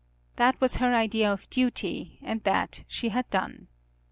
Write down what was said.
That was her idea of duty, and that she had done.